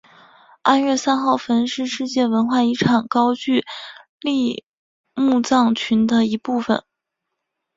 安岳三号坟是世界文化遗产高句丽墓葬群的一部份。